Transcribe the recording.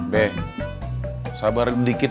be sabar dikit